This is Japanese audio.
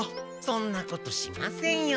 そんなことしませんよ。